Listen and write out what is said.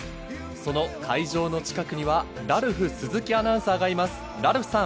その会場の近くにはラルフ鈴木アナウンサーがいます、ラルフさん。